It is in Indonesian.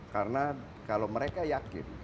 karena kalau mereka yakin